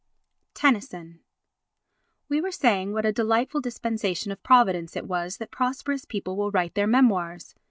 Tennyson We were saying what a delightful dispensation of providence it was that prosperous people will write their memoirs.